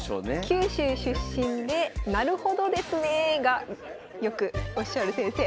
九州出身で「なるほどですね」がよくおっしゃる先生。